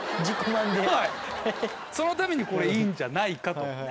そのためにこれいいんじゃないかと。